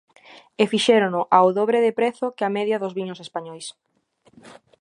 E fixérono ao dobre de prezo que a media dos viños españois.